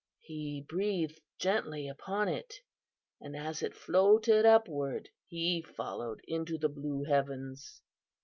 He breathed gently upon it, and as it floated upward he followed into the blue heavens.